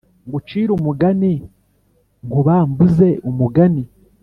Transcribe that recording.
Ngucire umugani nkubambuze umugani